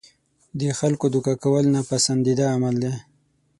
د خلکو دوکه کول ناپسندیده عمل دی.